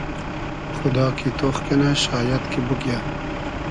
خودا کی تۉخ کئنۂ شایئد کی بوگیۂ